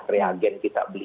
reagen kita beli